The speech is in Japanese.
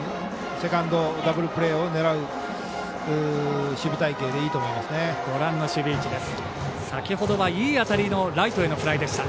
セカンド、ダブルプレーを狙う守備隊形でいいと思います。